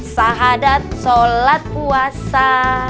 sahadat sholat puasa